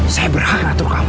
saya berhak ngatur kamu